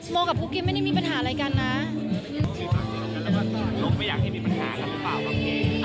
โมกับกุ๊บกิ๊บไม่ได้มีปัญหาอะไรกันนะ